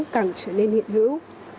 càng trở nên hiện hữu